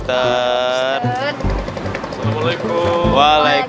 tadi saya melihat ibu ibu yang mirip